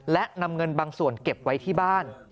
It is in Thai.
และนำเงินบางส่วนเก็บไว้ที่บ้าน